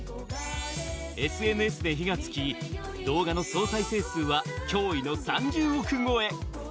ＳＮＳで火がつき動画の総再生数は驚異の３０億超え。